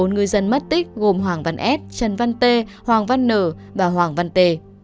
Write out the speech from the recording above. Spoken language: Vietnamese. bốn ngư dân mất tích gồm hoàng văn s trần văn t hoàng văn n và hoàng văn t